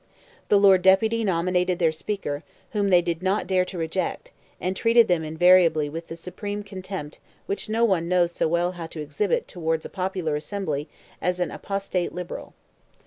The Lord Deputy nominated their Speaker, whom they did not dare to reject, and treated them invariably with the supreme contempt which no one knows so well how to exhibit towards a popular assembly as an apostate liberal.